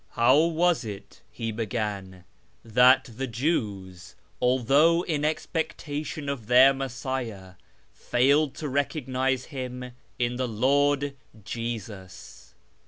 " How was it," he began, " that the Jews, although in ex pectation of their Messiah, failed to recognise him in the Lord Jesus